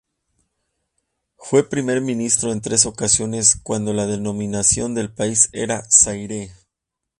Fue primer ministro en tres ocasiones cuando la denominación del país era Zaire.